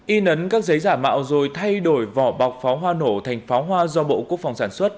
y nấn các giấy giả mạo rồi thay đổi vỏ bọc pháo hoa nổ thành pháo hoa do bộ quốc phòng sản xuất